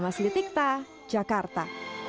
kemas ditikta jakarta